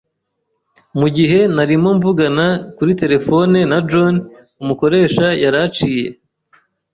Mugihe narimo mvugana kuri terefone na John, umukoresha yaraciye.